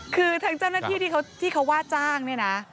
คือทางเจ้าหน้าที่ที่เขาว่าจ้างเนี่ยนะ